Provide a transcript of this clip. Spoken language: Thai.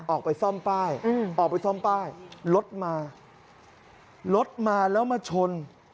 ออกไปซ่อมป้ายออกไปซ่อมป้ายรถมารถมาแล้วมาชน